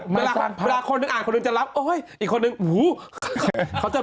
แบบว่าเมื่อคนหนึ่งอ่านคนหนึ่งจะรับก็อาการให้คนอื่นพยายาม